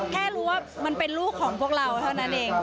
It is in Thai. แค่รู้ว่ามันเป็นลูกของพวกเราเท่านั้นเอง